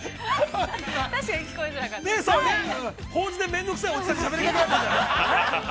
◆法事で面倒くさい、おじさんのしゃべり方だった。